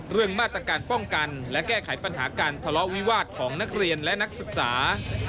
เรื่องมาตรการป้องกันและแก้ไขปัญหาการทะเลาะวิวาสของนักเรียนและนักศึกษา